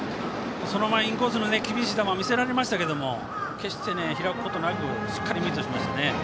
その前インコースの厳しい球を見せられましたが決して開くことなくしっかりミートしました。